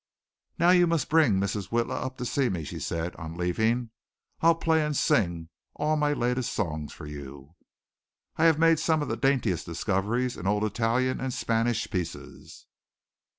"Now you must bring Mrs. Witla up to see me," she said on leaving. "I'll play and sing all my latest songs for you. I have made some of the daintest discoveries in old Italian and Spanish pieces."